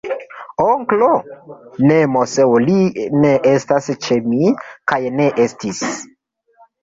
Onklo!? Ne, Moseo, li ne estas ĉe mi, kaj ne estis.